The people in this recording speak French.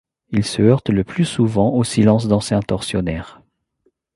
Il se heurte le plus souvent au silence d'anciens tortionnaires.